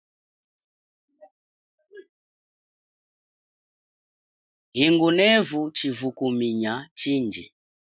Hingunevu chivukuminya chindji.